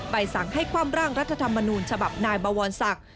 สั่งให้คว่ำร่างรัฐธรรมนูญฉบับนายบวรศักดิ์